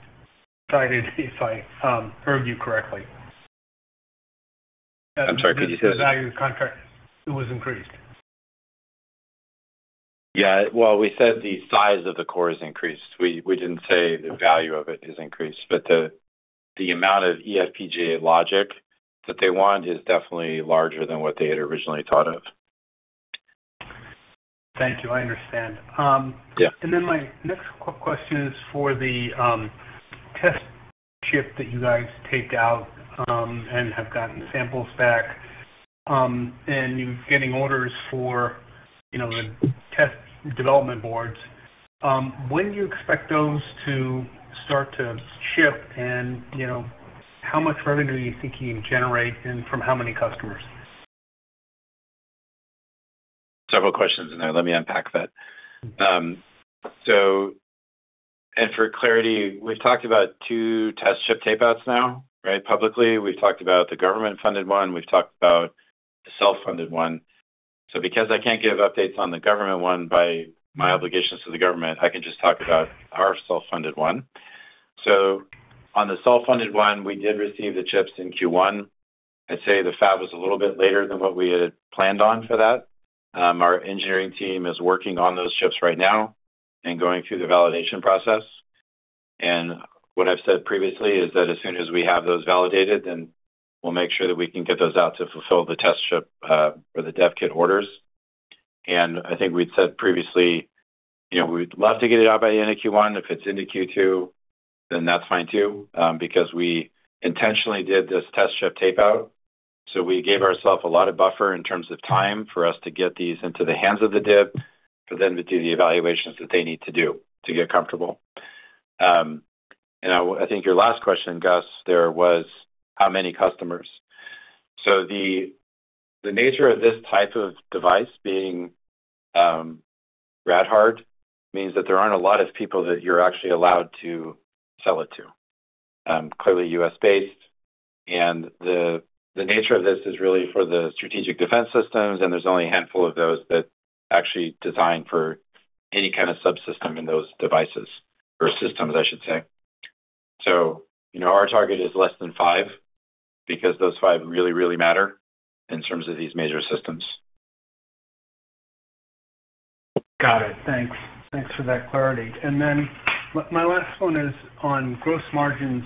guided, if I heard you correctly. I'm sorry, could you say that again? The value of the contract, it was increased. Well, we said the size of the core is increased. We didn't say the value of it is increased. The amount of eFPGA logic that they want is definitely larger than what they had originally thought of. Thank you. I understand. Yeah. My next question is for the test chip that you guys taped out, and have gotten samples back, and you're getting orders for, you know, the test development boards. When do you expect those to start to ship? You know, how much revenue are you thinking you can generate, and from how many customers? Several questions in there. Let me unpack that. For clarity, we've talked about two test chip tape outs now, right? Publicly, we've talked about the government-funded one, we've talked about the self-funded one. Because I can't give updates on the government one by my obligations to the government, I can just talk about our self-funded one. On the self-funded one, we did receive the chips in Q1. I'd say the fab was a little bit later than what we had planned on for that. Our engineering team is working on those chips right now and going through the validation process. What I've said previously is that as soon as we have those validated, we'll make sure that we can get those out to fulfill the test chip or the dev kit orders. I think we'd said previously, you know, we'd love to get it out by the end of Q1. If it's into Q2, that's fine too, because we intentionally did this test chip tape-out, so we gave ourself a lot of buffer in terms of time for us to get these into the hands of the DIB for them to do the evaluations that they need to do to get comfortable. I think your last question, Gus, there was how many customers. The nature of this type of device being rad hard means that there aren't a lot of people that you're actually allowed to sell it to. Clearly U.S.-based. The nature of this is really for the strategic defense systems, and there's only a handful of those that actually design for any kind of subsystem in those devices or systems, I should say. You know, our target is less than 5 because those 5 really, really matter in terms of these major systems. Got it. Thanks. Thanks for that clarity. My last one is on gross margins.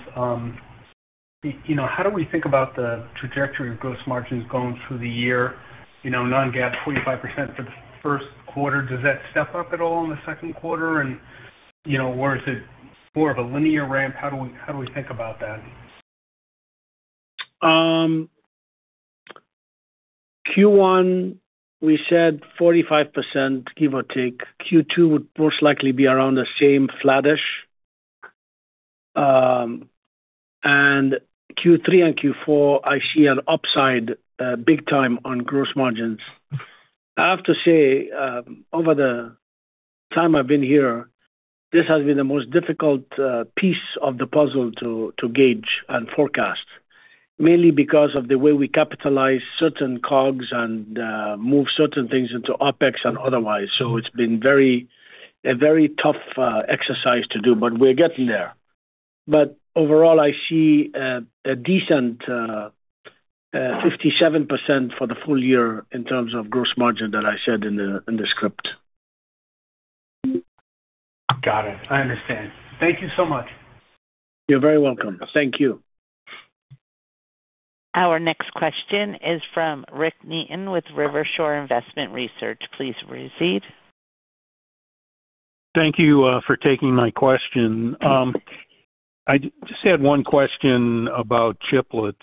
You know, how do we think about the trajectory of gross margins going through the year? You know, non-GAAP 45% for the first quarter. Does that step up at all in the second quarter and, you know, or is it more of a linear ramp? How do we, how do we think about that? Q1 we said 45%, give or take. Q2 would most likely be around the same, flattish. Q3 and Q4, I see an upside big time on gross margins. I have to say, over the time I've been here, this has been the most difficult piece of the puzzle to gauge and forecast, mainly because of the way we capitalize certain COGS and move certain things into OpEx and otherwise. It's been a very tough exercise to do, we're getting there. Overall, I see a decent 57% for the full year in terms of gross margin that I said in the script. Got it. I understand. Thank you so much. You're very welcome. Thank you. Our next question is from Rick Neaton with Rivershore Investment Research. Please proceed. Thank you for taking my question. I just had one question about chiplets.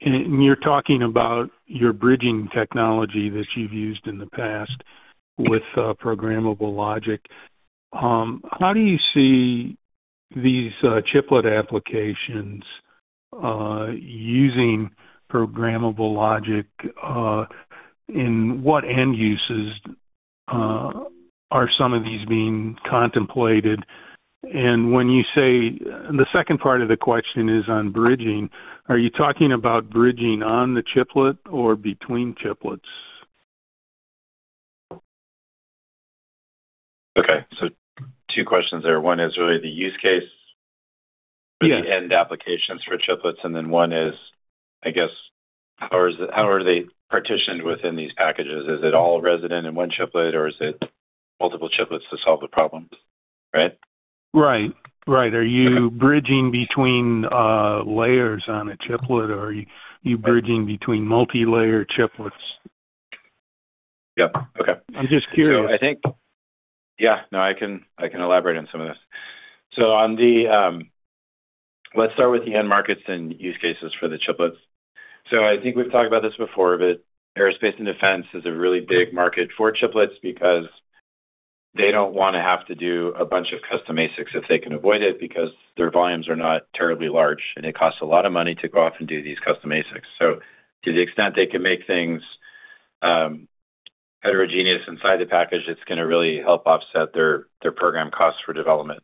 You're talking about your bridging technology that you've used in the past with programmable logic. How do you see these chiplet applications using programmable logic? In what end uses are some of these being contemplated? When you say the second part of the question is on bridging. Are you talking about bridging on the chiplet or between chiplets? Okay. Two questions there. One is really the use case. Yeah For the end applications for chiplets, and then one is, I guess, how are they partitioned within these packages? Is it all resident in one chiplet, or is it multiple chiplets to solve the problems? Right? Right. Okay. Are you bridging between layers on a chiplet, or are you bridging between multi-layer chiplets? Yep. Okay. I'm just curious. I can elaborate on some of this. Let's start with the end markets and use cases for the chiplets. I think we've talked about this before, but aerospace & defense is a really big market for chiplets because they don't wanna have to do a bunch of custom ASICs if they can avoid it because their volumes are not terribly large, and it costs a lot of money to go off and do these custom ASICs. To the extent they can make things heterogeneous inside the package, it's gonna really help offset their program costs for development.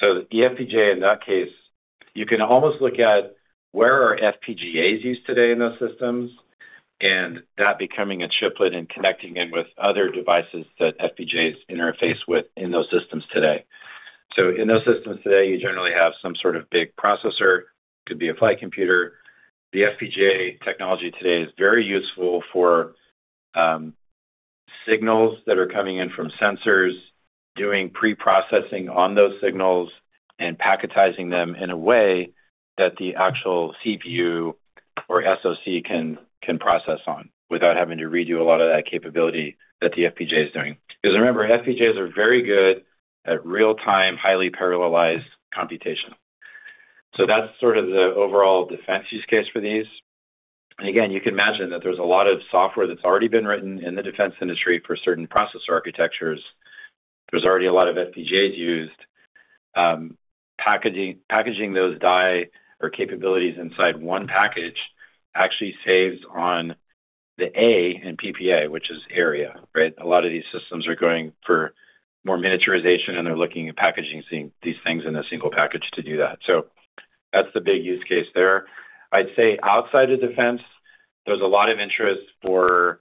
The FPGA, in that case, you can almost look at where are FPGAs used today in those systems and that becoming a chiplet and connecting in with other devices that FPGAs interface with in those systems today. In those systems today, you generally have some sort of big processor. It could be a flight computer. The FPGA technology today is very useful for signals that are coming in from sensors, doing pre-processing on those signals, and packetizing them in a way that the actual CPU or SoC can process on without having to redo a lot of that capability that the FPGA is doing. Remember, FPGAs are very good at real-time, highly parallelized computation. That's sort of the overall defense use case for these. Again, you can imagine that there's a lot of software that's already been written in the defense industry for certain processor architectures. There's already a lot of FPGAs used. Packaging those die or capabilities inside one package actually saves on the A in PPA, which is area, right? A lot of these systems are going for more miniaturization, and they're looking at packaging these things in a single package to do that. That's the big use case there. I'd say outside of defense, there's a lot of interest for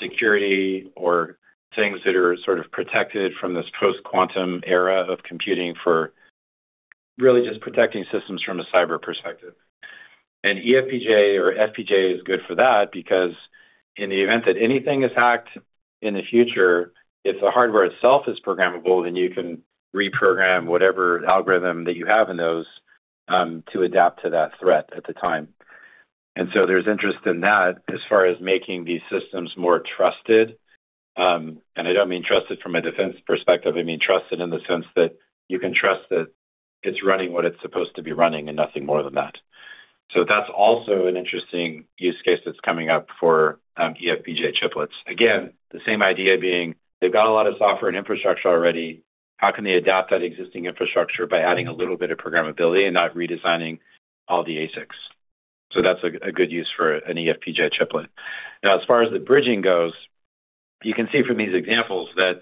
security or things that are sort of protected from this post-quantum era of computing for really just protecting systems from a cyber perspective. eFPGA or FPGA is good for that because in the event that anything is hacked in the future, if the hardware itself is programmable, then you can reprogram whatever algorithm that you have in those to adapt to that threat at the time. So there's interest in that as far as making these systems more trusted, and I don't mean trusted from a defense perspective, I mean, trusted in the sense that you can trust that it's running what it's supposed to be running and nothing more than that. That's also an interesting use case that's coming up for eFPGA chiplets. The same idea being they've got a lot of software and infrastructure already. How can they adapt that existing infrastructure by adding a little bit of programmability and not redesigning all the ASICs? That's a good use for an eFPGA chiplet. As far as the bridging goes, you can see from these examples that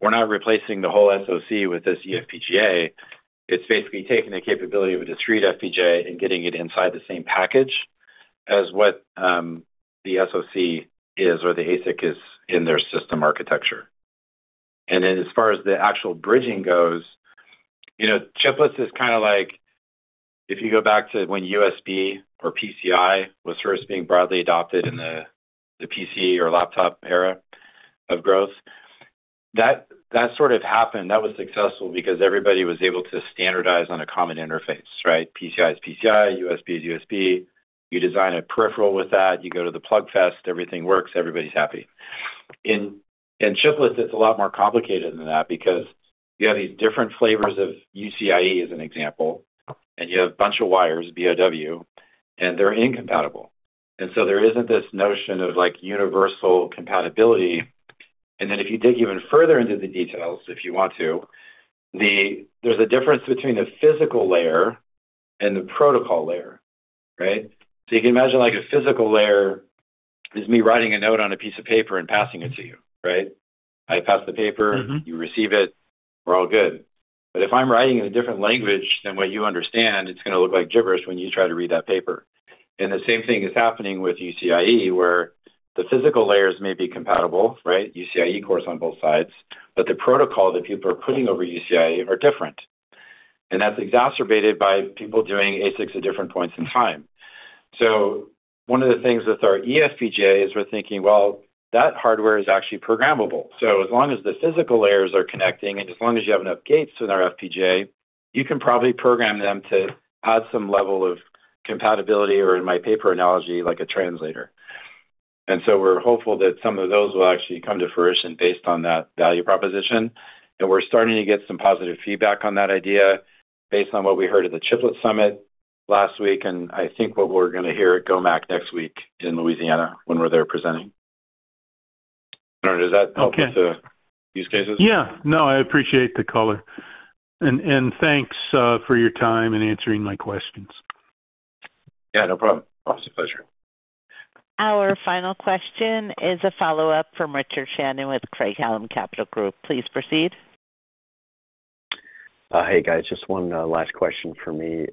we're not replacing the whole SoC with this eFPGA. It's basically taking the capability of a discrete FPGA and getting it inside the same package as what the SoC is or the ASIC is in their system architecture. As far as the actual bridging goes, you know, chiplets is kind of like if you go back to when USB or PCI was first being broadly adopted in the PC or laptop era of growth, that sort of happened. That was successful because everybody was able to standardize on a common interface, right? PCI is PCI, USB is USB. You design a peripheral with that, you go to the plug test, everything works, everybody's happy. In chiplets, it's a lot more complicated than that because you have these different flavors of UCIe as an example, and you have a bunch of wires, BOW, and they're incompatible. There isn't this notion of, like, universal compatibility. If you dig even further into the details, if you want to, there's a difference between the physical layer and the protocol layer, right? You can imagine, like, a physical layer is me writing a note on a piece of paper and passing it to you, right? I pass the paper. Mm-hmm. You receive it, we're all good. If I'm writing in a different language than what you understand, it's going to look like gibberish when you try to read that paper. The same thing is happening with UCIe, where the physical layers may be compatible, right? UCIe course on both sides. The protocol that people are putting over UCIe are different. That's exacerbated by people doing ASICs at different points in time. One of the things with our eFPGA is we're thinking, well, that hardware is actually programmable. As long as the physical layers are connecting and as long as you have enough gates in our FPGA, you can probably program them to add some level of compatibility or in my paper analogy, like a translator. We're hopeful that some of those will actually come to fruition based on that value proposition, and we're starting to get some positive feedback on that idea based on what we heard at the Chiplet Summit last week, and I think what we're gonna hear at GOMAC next week in Louisiana when we're there presenting. I don't know. Does that help? Okay. with the use cases? Yeah. No, I appreciate the color. Thanks for your time and answering my questions. Yeah, no problem. It's a pleasure. Our final question is a follow-up from Richard Shannon with Craig-Hallum Capital Group. Please proceed. Hey, guys. Just one last question for me.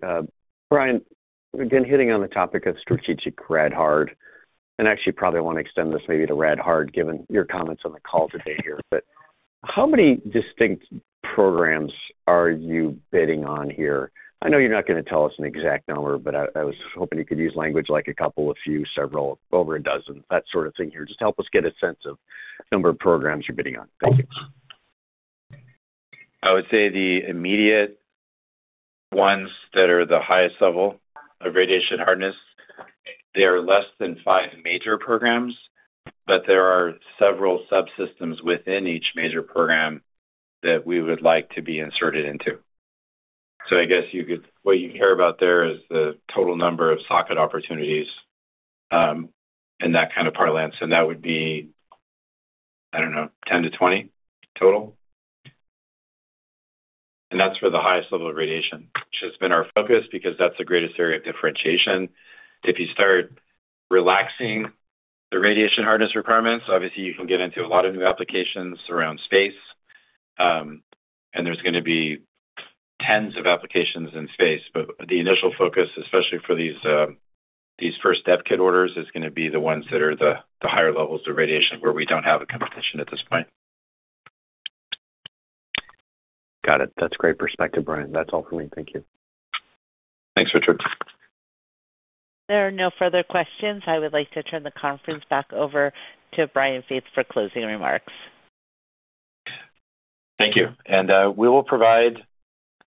Brian, again, hitting on the topic of strategic rad-hard, and actually probably want to extend this maybe to rad-hard given your comments on the call today. How many distinct programs are you bidding on? I know you're not gonna tell us an exact number, but I was hoping you could use language like a couple, a few, several, over a dozen, that sort of thing. Just help us get a sense of number of programs you're bidding on. Thank you. I would say the immediate ones that are the highest level of radiation hardness, they are less than five major programs, but there are several subsystems within each major program that we would like to be inserted into. I guess what you care about there is the total number of socket opportunities, in that kind of parlance, and that would be, I don't know, 10 to 20 total. That's for the highest level of radiation, which has been our focus because that's the greatest area of differentiation. If you start relaxing the radiation hardness requirements, obviously you can get into a lot of new applications around space, and there's gonna be tens of applications in space. The initial focus, especially for these first dev kit orders, is gonna be the ones that are the higher levels of radiation where we don't have a competition at this point. Got it. That's great perspective, Brian. That's all for me. Thank you. Thanks, Richard. There are no further questions. I would like to turn the conference back over to Brian Faith for closing remarks. Thank you. We will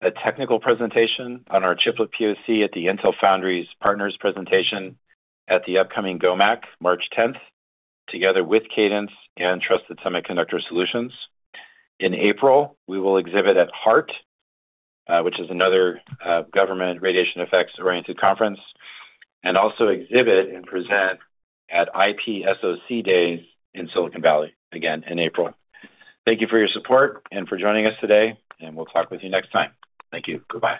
provide a technical presentation on our chiplet POC at the Intel Foundry's Partners presentation at the upcoming GOMAC, March 10th, together with Cadence and Trusted Semiconductor Solutions. In April, we will exhibit at HEART, which is another government radiation effects-oriented conference, and also exhibit and present at IP-SoC Days in Silicon Valley, again in April. Thank you for your support and for joining us today, and we'll talk with you next time. Thank you. Goodbye.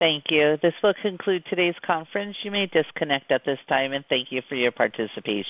Thank you. This will conclude today's conference. You may disconnect at this time. Thank you for your participation.